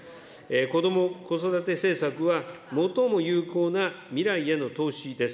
こども・子育て政策は、最も有効な未来への投資です。